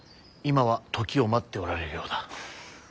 今は時を待っておられるようだ。